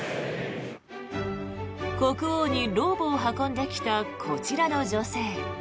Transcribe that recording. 国王にローブを運んできたこちらの女性。